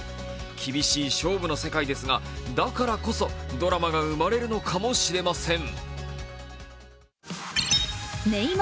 厳しい勝負の世界ですがだからこそ、ドラマが生まれるのかもしれません。